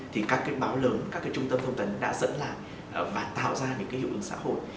thì các báo lớn các trung tâm thông tấn đã dẫn lại và tạo ra những hiệu ứng xã hội